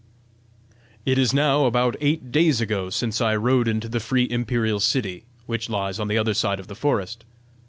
"It is now about eight days ago since I rode into the free imperial city, which lies on the other side of the forest.